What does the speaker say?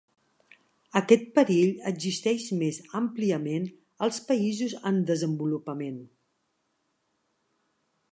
Aquest perill existeix més àmpliament als països en desenvolupament.